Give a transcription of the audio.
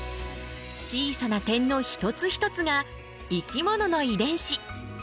小さな点の一つ一つが生き物の遺伝子。